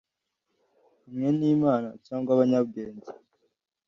hamwe nimana cyangwa Abanyabwenge